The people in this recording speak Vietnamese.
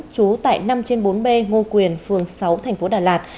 chú tại năm trên bốn b ngô quyền phường sáu tp đà lạt